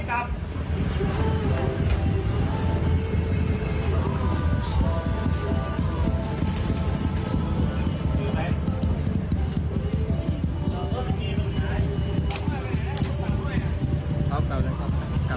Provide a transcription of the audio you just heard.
กลับไปก่อน